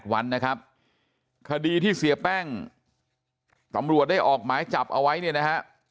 วันนะครับคดีที่เสียแป้งตำรวจได้ออกหมายจับเอาไว้เนี่ยนะฮะ